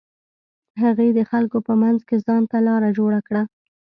هغې د خلکو په منځ کښې ځان ته لاره جوړه کړه.